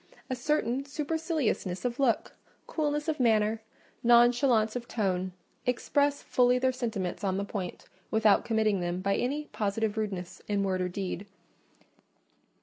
A certain superciliousness of look, coolness of manner, nonchalance of tone, express fully their sentiments on the point, without committing them by any positive rudeness in word or deed.